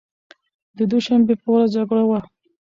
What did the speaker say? دوشنبې په ورځ جګړه وه.